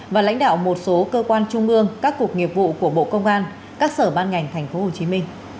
và lãnh đạo một số cơ quan trung ương các cuộc nghiệp vụ của bộ công an các sở ban ngành tp hcm